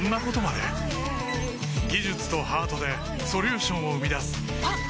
技術とハートでソリューションを生み出すあっ！